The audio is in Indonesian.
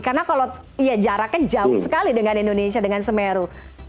karena kalau jaraknya jauh sekali dengan indonesia dengan semeru